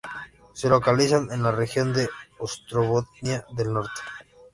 Se localiza en la región de Ostrobotnia del Norte.